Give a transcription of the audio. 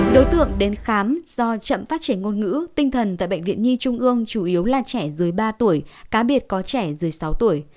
đối tượng đến khám do chậm phát triển ngôn ngữ tinh thần tại bệnh viện nhi trung ương chủ yếu là trẻ dưới ba tuổi cá biệt có trẻ dưới sáu tuổi